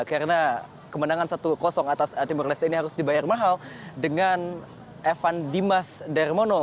karena kemenangan satu atas timur leste ini harus dibayar mahal dengan evan dimas dermono